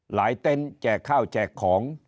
หลายเต้นแจกข้าวแจกของ